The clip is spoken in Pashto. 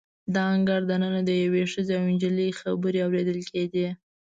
د انګړ د ننه د یوې ښځې او نجلۍ خبرې اوریدل کیدې.